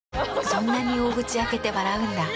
そんなに大口開けて笑うんだ。